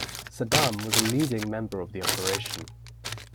Saddam was a leading member of the operation.